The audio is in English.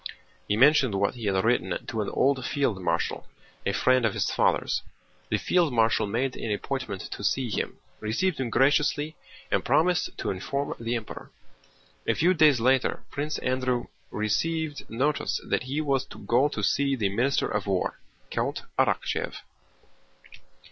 He mentioned what he had written to an old field marshal, a friend of his father's. The field marshal made an appointment to see him, received him graciously, and promised to inform the Emperor. A few days later Prince Andrew received notice that he was to go to see the Minister of War, Count Arakchéev.